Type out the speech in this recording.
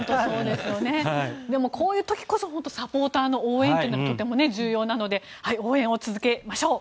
こういう時こそサポーターの応援というのが重要なので応援を続けましょう。